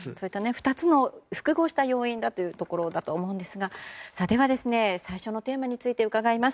２つの複合した要因だというところだと思うんですがでは、最初のテーマについて伺います。